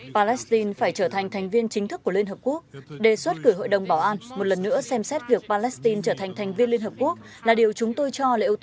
palestine phải trở thành thành viên chính thức của liên hợp quốc đề xuất cử hội đồng bảo an một lần nữa xem xét việc palestine trở thành thành viên liên hợp quốc là điều chúng tôi cho là yếu tố